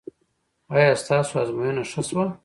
ایا ستاسو ازموینه ښه شوه؟